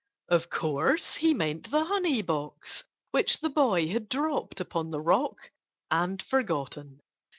Of course he meant the honey box which the boy had dropped upon the rock and forgotten.